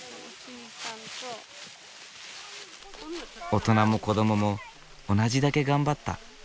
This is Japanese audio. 大人も子どもも同じだけ頑張った。